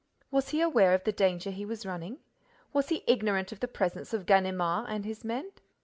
Was he aware of the danger he was running? Was he ignorant of the presence of Ganimard and his men?